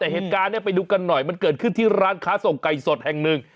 แต่เหตุการณ์นี้ไปดูกันหน่อยมันเกิดขึ้นที่ร้านค้าส่งไก่สดแห่งหนึ่ง